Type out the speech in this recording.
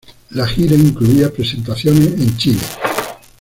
La gira incluía presentaciones en Chile.